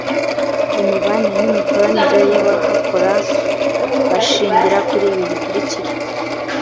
imibanire n’imikoranire y’abahakora bashingira kuri ibi bikurikira